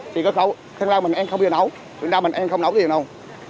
thì cơ khẩu thanh long mình em không biết nấu thanh long mình em không nấu gì đâu